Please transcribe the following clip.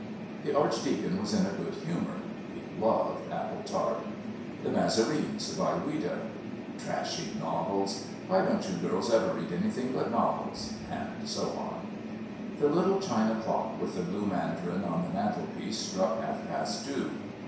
The Archdeacon was in a good humour. He loved apple tart. "The Massarenes, by Ouida." "Trashy novels. Why don't you girls ever read anything but novels?" and so on. The little china clock with the blue mandarin on the mantelpiece struck half past two.